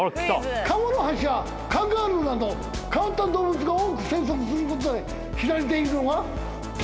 カモノハシやカンガルーなど変わった動物が多く生息することで知られているのがここです。